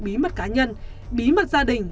bí mật cá nhân bí mật gia đình